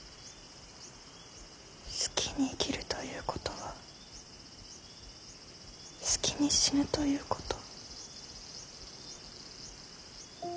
好きに生きるということは好きに死ぬということ？